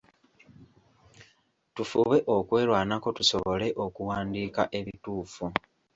Tufube okwerwanako tusobole okuwandiika ebituufu.